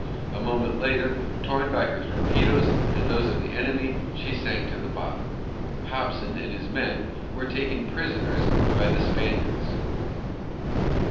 A moment later, torn by her own torpedoes and those of the enemy, she sank to the bottom. Hobson and his men were taken prisoners by the Spaniards.